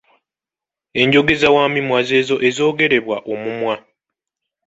Enjogeza wamimwa z’ezo ezoogerebwa omumwa.